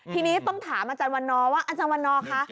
ทีนี้ต้องถามอาจารย์วันนอว่าอาจารย์วันนอร์คะ